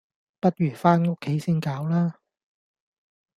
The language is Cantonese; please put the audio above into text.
不如返屋企先搞啦